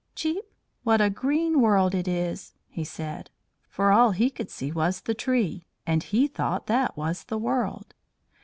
"Cheep! What a green world it is!" he said; for all he could see was the tree, and he thought that was the world.